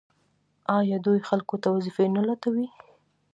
آیا دوی خلکو ته وظیفې نه لټوي؟